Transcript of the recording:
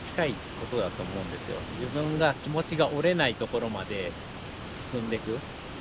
自分が気持ちが折れないところまで進んでく。